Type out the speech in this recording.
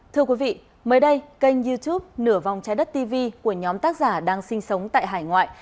thưa quý vị mới đây kênh youtube nửa vòng trái đất tv của nhóm tác giả đang sinh sống tại hải ngoại